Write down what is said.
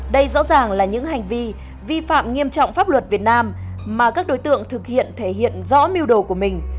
đây rõ ràng là những hành vi vi phạm nghiêm trọng pháp luật việt nam mà các đối tượng thực hiện thể hiện rõ mưu đồ của mình